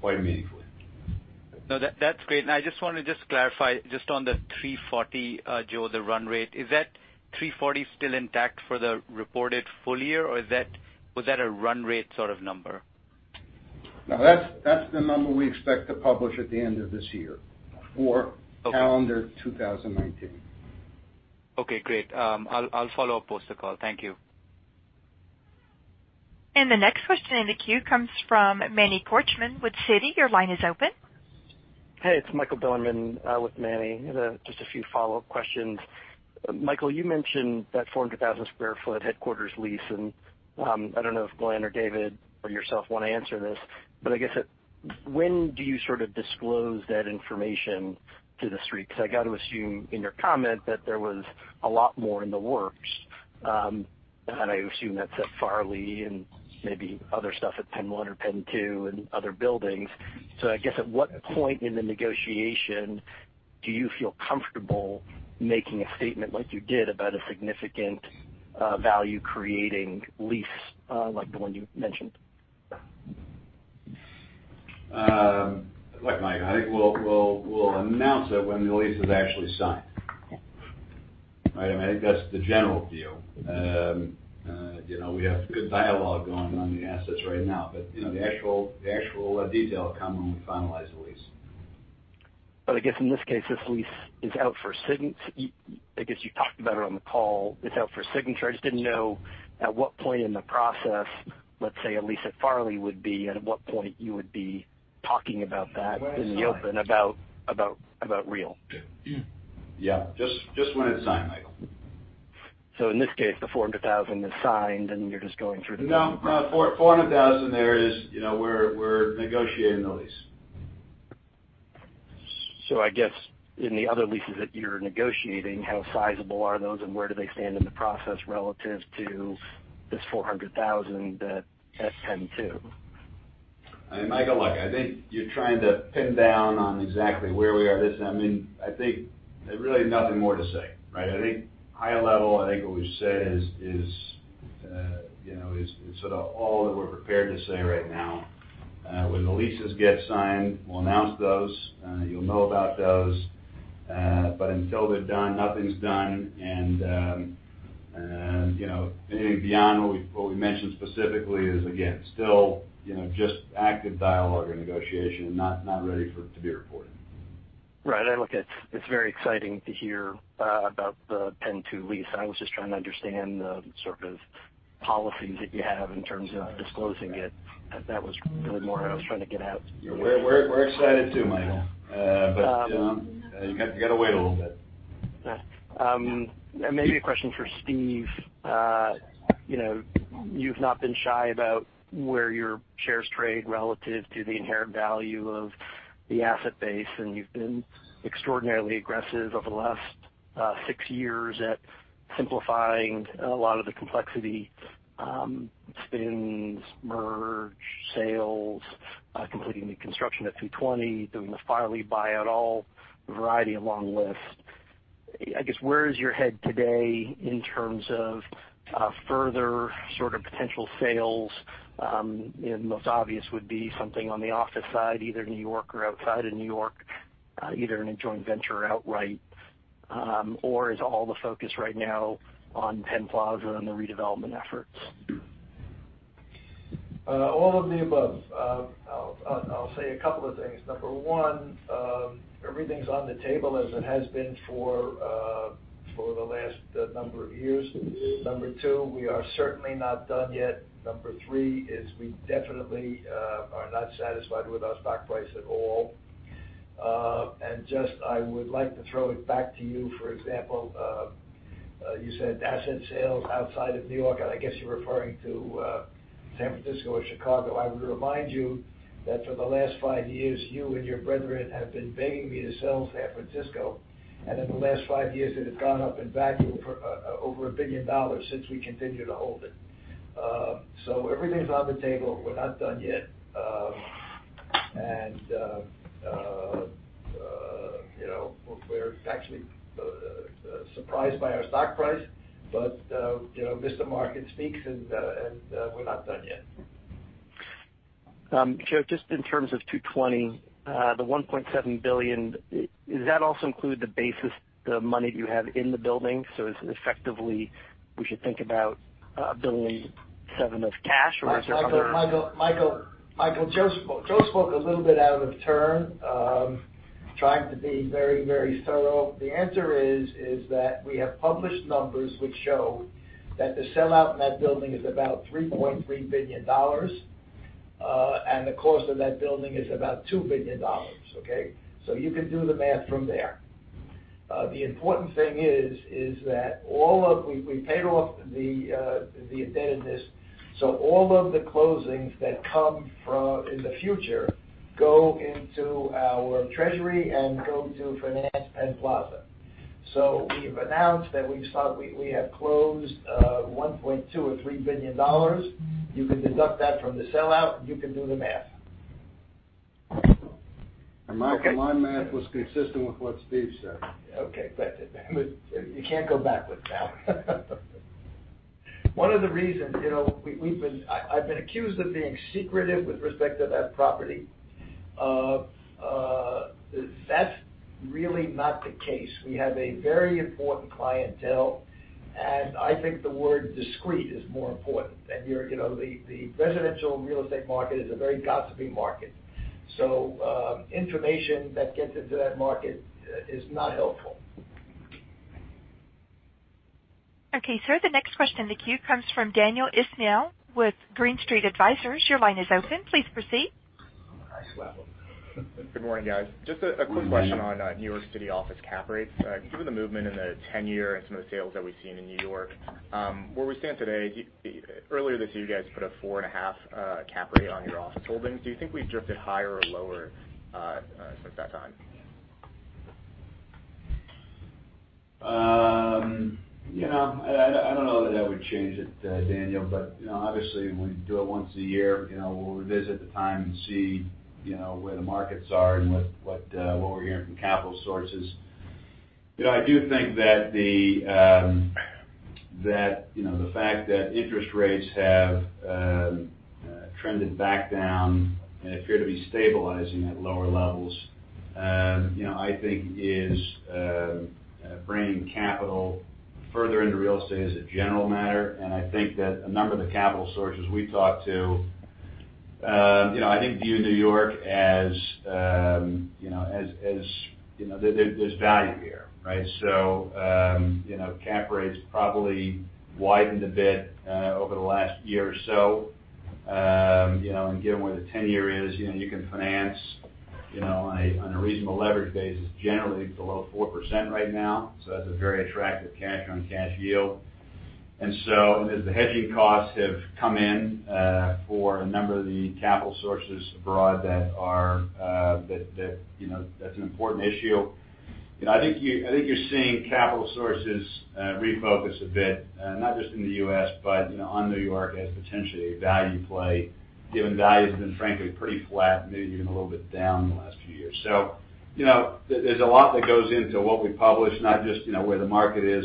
quite meaningfully. No, that's great. I just want to just clarify just on the 340, Joe, the run rate. Is that 340 still intact for the reported full year, or was that a run rate sort of number? No, that's the number we expect to publish at the end of this year for calendar 2019. Okay, great. I'll follow post the call. Thank you. The next question in the queue comes from Manny Korchman with Citi. Your line is open. Hey, it's Michael Bilerman with Manny. Just a few follow-up questions. Michael, you mentioned that 400,000 sq ft headquarters lease, and I don't know if Glen or David or yourself want to answer this, but I guess when do you sort of disclose that information to the street? I got to assume in your comment that there was a lot more in the works, and I assume that's at Farley and maybe other stuff at Penn 1 or Penn 2 and other buildings. I guess at what point in the negotiation do you feel comfortable making a statement like you did about a significant value-creating lease like the one you mentioned? Look, Mike, I think we'll announce it when the lease is actually signed. I think that's the general deal. We have good dialogue going on the assets right now, but the actual detail will come when we finalize the lease. I guess in this case, this lease is out for I guess you talked about it on the call. It's out for signature. I just didn't know at what point in the process, let's say a lease at Farley would be and at what point you would be talking about that in the open about real. Yeah. Just when it's signed, Michael. In this case, the $400,000 is signed, and you're just going through. No. 400,000, we're negotiating the lease. I guess in the other leases that you're negotiating, how sizable are those and where do they stand in the process relative to this 400,000 at Penn 2? Michael, look, I think you're trying to pin down on exactly where we are. I think there's really nothing more to say. I think high level, I think what we've said is sort of all that we're prepared to say right now. When the leases get signed, we'll announce those. You'll know about those. Until they're done, nothing's done. Anything beyond what we mentioned specifically is, again, still just active dialogue or negotiation and not ready to be reported. Right. It's very exciting to hear about the Penn 2 lease. I was just trying to understand the sort of policies that you have in terms of disclosing it. That was really more what I was trying to get at. We're excited too, Michael. You got to wait a little bit. Maybe a question for Steve. You've not been shy about where your shares trade relative to the inherent value of the asset base, and you've been extraordinarily aggressive over the last 6 years at simplifying a lot of the complexity, spins, merge, sales, completing the construction at 220, doing the Farley buyout, all a variety of long list. Where is your head today in terms of further potential sales? Most obvious would be something on the office side, either New York or outside of New York, either in a joint venture or outright, or is all the focus right now on Penn Plaza and the redevelopment efforts? All of the above. I'll say a couple of things. Number one, everything's on the table as it has been for the last number of years. Number two, we are certainly not done yet. Number three is we definitely are not satisfied with our stock price at all. I would like to throw it back to you, for example, you said asset sales outside of New York, and I guess you're referring to San Francisco or Chicago. I would remind you that for the last five years, you and your brethren have been begging me to sell San Francisco. In the last five years, it has gone up in value for over $1 billion since we continue to hold it. Everything's on the table. We're not done yet. We're actually surprised by our stock price, but Mr. Market speaks, and we're not done yet. Joe, just in terms of 220, the $1.7 billion, does that also include the money you have in the building? Effectively, we should think about $1.7 billion of cash? Michael, Joe spoke a little bit out of turn, trying to be very thorough. The answer is that we have published numbers which show that the sellout in that building is about $3.3 billion, and the cost of that building is about $2 billion. Okay? You can do the math from there. The important thing is that we paid off the indebtedness. All of the closings that come in the future go into our treasury and go to finance Penn Plaza. We've announced that we have closed $1.2 or $3 billion. You can deduct that from the sellout, and you can do the math. Michael, my math was consistent with what Steve said. Okay. You can't go backwards now. One of the reasons, I've been accused of being secretive with respect to that property. That's really not the case. We have a very important clientele. I think the word discreet is more important. The residential real estate market is a very gossipy market, so information that gets into that market is not helpful. Okay, sir, the next question in the queue comes from Daniel Ismail with Green Street Advisors. Your line is open. Please proceed. Good morning, guys. Just a quick question on New York City office cap rates. Given the movement in the 10-year and some of the sales that we've seen in New York, where we stand today, earlier this year, you guys put a four and a half cap rate on your office holdings. Do you think we've drifted higher or lower since that time? I don't know that I would change it, Daniel. Obviously, we do it once a year. We'll revisit the time and see where the markets are and what we're hearing from capital sources. I do think that the fact that interest rates have trended back down and appear to be stabilizing at lower levels is bringing capital further into real estate as a general matter. I think that a number of the capital sources we talk to view New York as there's value here, right? Cap rates probably widened a bit over the last year or so. Given where the tenure is, you can finance on a reasonable leverage basis, generally below 4% right now. That's a very attractive cash-on-cash yield. As the hedging costs have come in for a number of the capital sources abroad, that's an important issue. I think you're seeing capital sources refocus a bit, not just in the U.S., but on New York as potentially a value play, given value has been frankly pretty flat, maybe even a little bit down in the last few years. There's a lot that goes into what we publish, not just where the market is,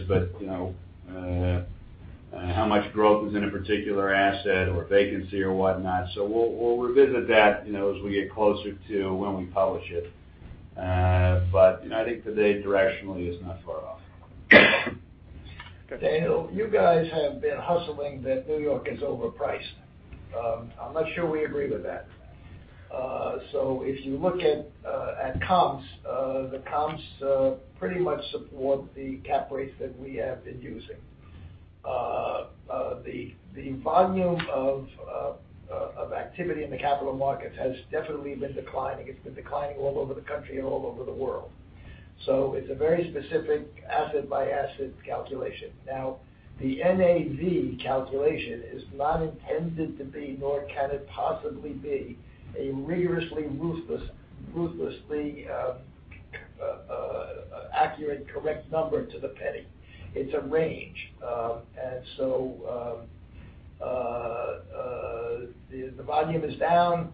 but how much growth is in a particular asset or vacancy or whatnot. We'll revisit that as we get closer to when we publish it. I think today directionally is not far off. Daniel, you guys have been hustling that New York is overpriced. I'm not sure we agree with that. If you look at comps, the comps pretty much support the cap rates that we have been using. The volume of activity in the capital markets has definitely been declining. It's been declining all over the country and all over the world. It's a very specific asset-by-asset calculation. Now, the NAV calculation is not intended to be, nor can it possibly be, a rigorously, ruthlessly accurate, correct number to the penny. It's a range. The volume is down.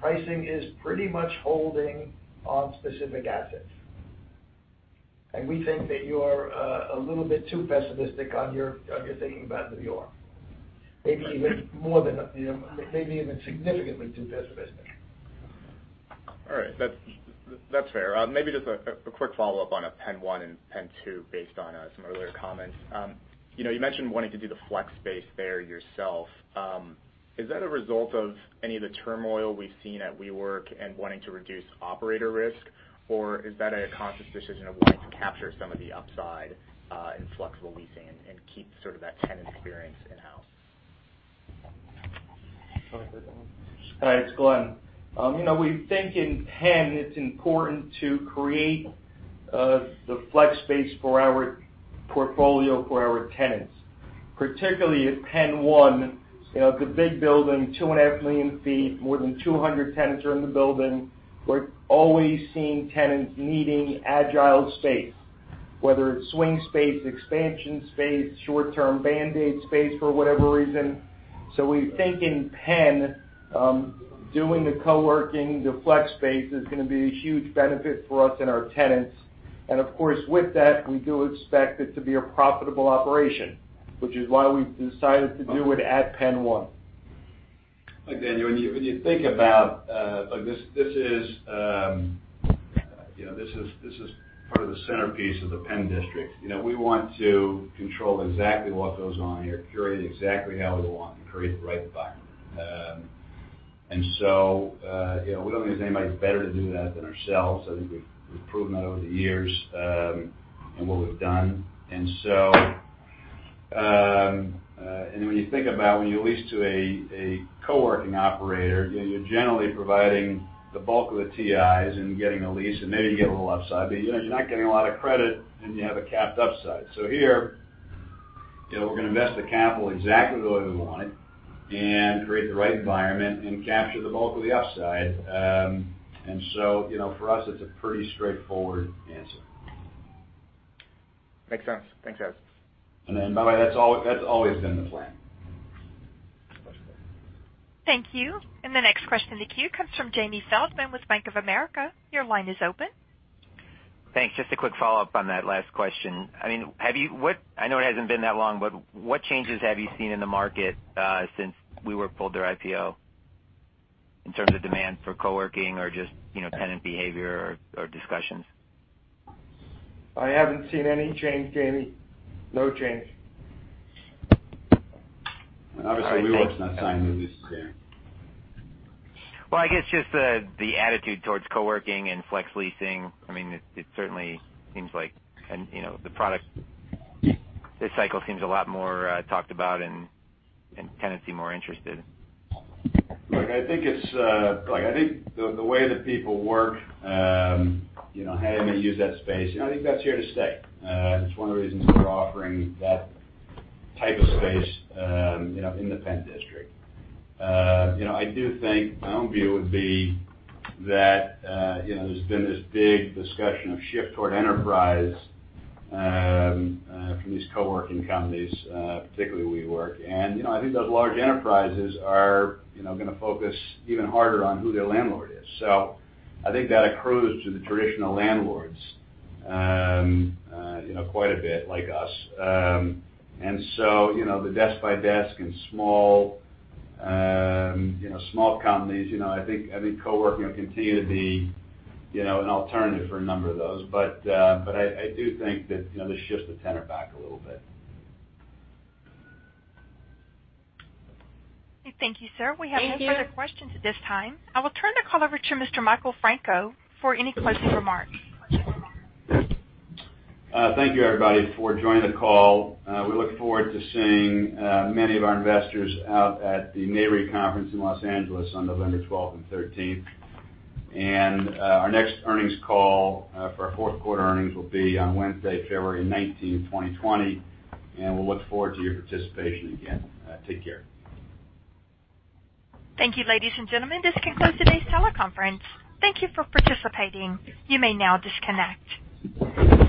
Pricing is pretty much holding on specific assets. We think that you're a little bit too pessimistic on your thinking about New York. Maybe even significantly too pessimistic. All right. That's fair. Maybe just a quick follow-up on Penn One and Penn Two based on some earlier comments. You mentioned wanting to do the flex space there yourself. Is that a result of any of the turmoil we've seen at WeWork and wanting to reduce operator risk, or is that a conscious decision of wanting to capture some of the upside in flexible leasing and keep sort of that tenant experience in-house? You want to take that one? Hi, it's Glen. We think in Penn it's important to create the flex space for our portfolio, for our tenants. Particularly at Penn One, it's a big building, 2.5 million feet, more than 200 tenants are in the building. We're always seeing tenants needing agile space, whether it's swing space, expansion space, short-term band-aid space for whatever reason. We think in Penn, doing the coworking, the flex space is going to be a huge benefit for us and our tenants. Of course, with that, we do expect it to be a profitable operation, which is why we've decided to do it at Penn One. Look, Daniel, this is part of the centerpiece of the Penn District. We want to control exactly what goes on here, curate it exactly how we want, and create the right environment. We don't think there's anybody better to do that than ourselves. I think we've proven that over the years in what we've done. When you think about when you lease to a coworking operator, you're generally providing the bulk of the TIs and getting a lease, and maybe you get a little upside, but you're not getting a lot of credit, and you have a capped upside. Here, we're going to invest the capital exactly the way we want it and create the right environment and capture the bulk of the upside. For us, it's a pretty straightforward answer. Makes sense. Thanks, guys. By the way, that's always been the plan. Thank you. The next question in the queue comes from Jamie Feldman with Bank of America. Your line is open. Thanks. Just a quick follow-up on that last question. I know it hasn't been that long, but what changes have you seen in the market since WeWork pulled their IPO in terms of demand for coworking or just tenant behavior or discussions? I haven't seen any change, Jamie. No change. Obviously WeWork's not signing new leases there. Well, I guess just the attitude towards coworking and flex leasing. It certainly seems like the cycle seems a lot more talked about, and tenants seem more interested. Look, I think the way that people work, how they may use that space, I think that's here to stay. It's one of the reasons we're offering that type of space in the Penn District. My own view would be that there's been this big discussion of shift toward enterprise from these coworking companies, particularly WeWork. I think those large enterprises are going to focus even harder on who their landlord is. I think that accrues to the traditional landlords quite a bit, like us. The desk-by-desk and small companies, I think coworking will continue to be an alternative for a number of those. I do think that this shifts the tenor back a little bit. Thank you, sir. Thank you. We have no further questions at this time. I will turn the call over to Mr. Michael Franco for any closing remarks. Thank you, everybody, for joining the call. We look forward to seeing many of our investors out at the Nareit conference in Los Angeles on November 12th and 13th. Our next earnings call for our fourth quarter earnings will be on Wednesday, February 19, 2020, and we'll look forward to your participation again. Take care. Thank you, ladies and gentlemen. This concludes today's teleconference. Thank you for participating. You may now disconnect.